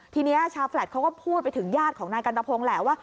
ทีนี้ชาวแฟลตเขาก็พูดไปถึงญาติของนายกันตะพงศ์แหละว่า